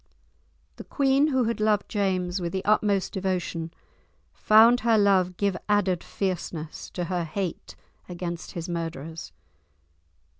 The queen, who had loved James with the utmost devotion, found her love give added fierceness to her hate against his murderers.